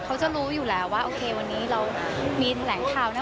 เขาจะรู้อยู่แล้วว่าโอเควันนี้เรามีแถลงข่าวนะ